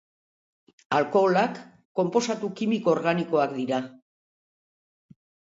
Alkoholak konposatu kimiko organikoak dira.